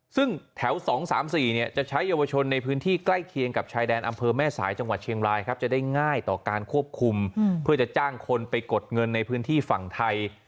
ซึ่งแถว๒๓๔จะใช้เยาวชนในพื้นที่ใกล้เคียงกับชายแดนอำเภอแม่สายจังหวัดเชียงรายครับจะได้ง่ายต่อการควบคุมเพื่อจะจ้างคนไปกดเงินในพื้นที่ฝั่งไทย